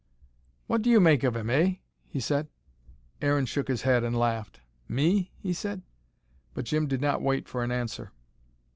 "What do you make of 'em, eh?" he said. Aaron shook his head, and laughed. "Me?" he said. But Jim did not wait for an answer.